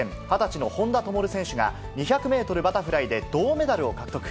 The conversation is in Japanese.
２０歳の本多灯選手が、２００メートルバタフライで銅メダルを獲得。